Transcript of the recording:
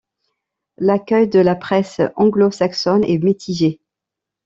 L'accueil de la presse anglo-saxonne est mitigé.